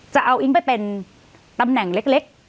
จะเอาอิ๊งไปเป็นตำแหน่งเล็ก